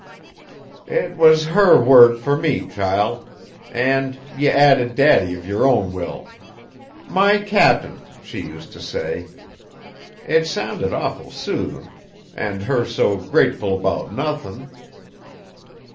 "It was her word for me, child, an' ye added Daddy of yer own will. 'My Cap'n,' she use t' say. It sounded awful soothin'; an' her so grateful 'bout nothin'!